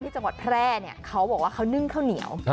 จังหวัดแพร่เนี่ยเขาบอกว่าเขานึ่งข้าวเหนียว